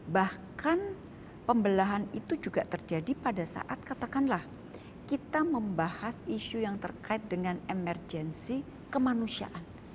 bahkan pembelahan itu juga terjadi pada saat katakanlah kita membahas isu yang terkait dengan emergensi kemanusiaan